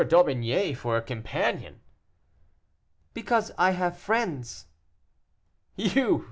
d'Aubigné for a companion?" "Because I have friends." "You!